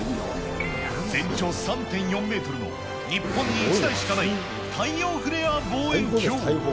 全長３．４メートルの、日本に１台しかない太陽フレア望遠鏡。